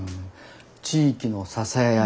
地域の支え合い